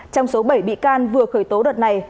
trong số bảy bị can vừa khởi tố đợt này